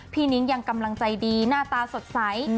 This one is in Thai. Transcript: นิ้งยังกำลังใจดีหน้าตาสดใส